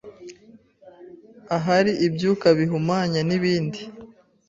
ahari ibyuka bihumanya n’ibindi,